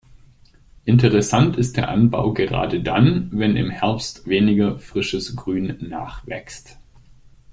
Interessant ist der Anbau gerade dann, wenn im Herbst weniger frisches Grün nachwächst.